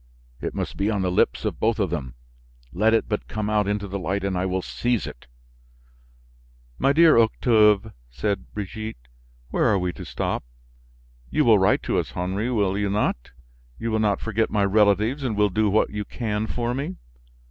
It must be on the lips of both of them. Let it but come out into the light and I will seize it." "My dear Octave," said Brigitte, "where are we to stop? You will write to us, Henry, will you not? You will not forget my relatives and will do what you can for me?"